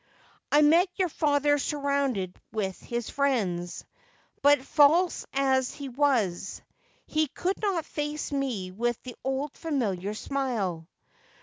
' I met your father surrounded with his friends, but false as he was, he could not face me with the old familiar smile.